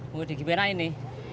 mau dikibenain nih